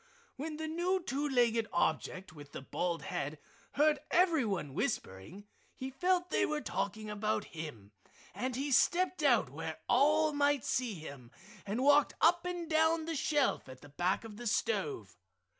When the new two legged object with the bald head heard everyone whispering he felt they were talking about him, and he stepped out where all might see him, and walked up and down the shelf at the back of the stove.